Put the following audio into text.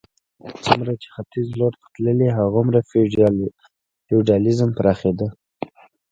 څومره چې ختیځ لور ته تللې هغومره فیوډالېزم پراخېده.